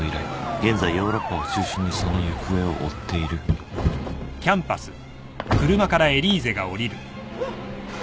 現在ヨーロッパを中心にその行方を追っている」あっ？